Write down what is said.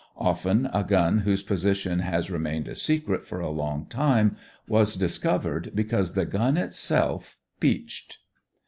Often a gun whose position has remained a secret for a long time was discovered because the gun itself "peached."